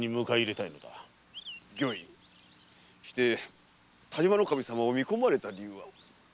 御意して但馬守様を見込まれた理由は？